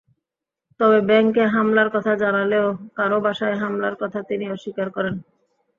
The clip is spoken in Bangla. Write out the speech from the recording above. তবে ব্যাংকে হামলার কথা জানালেও কারও বাসায় হামলার কথা তিনি অস্বীকার করেন।